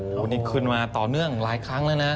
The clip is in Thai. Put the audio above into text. โอ้โหนี่ขึ้นมาต่อเนื่องหลายครั้งแล้วนะ